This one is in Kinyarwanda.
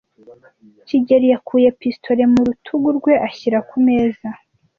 kigeli yakuye pistolet mu rutugu rwe ayishyira ku meza.